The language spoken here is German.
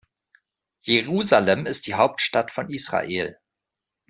Jerusalem ist die Hauptstadt von Israel.